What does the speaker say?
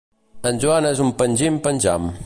En Joan és un pengim-penjam.